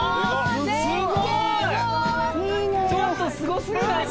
ちょっとすご過ぎない？